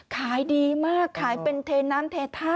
ขายดีมากขายเป็นเทน้ำเทท่า